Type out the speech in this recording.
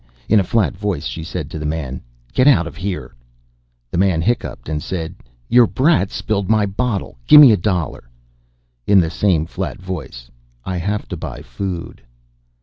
In a flat voice she said to the man: "Get out of here." The man hiccupped and said: "Your brat spilled my bottle. Gimme a dollar." In the same flat voice: "I have to buy food."